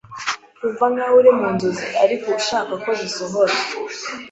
ukumva nkaho uri mu nzozi ariko ushaka ko zisohora.